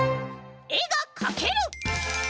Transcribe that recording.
「えがかける」！